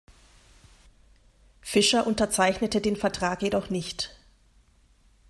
Fischer unterzeichnete den Vertrag jedoch nicht.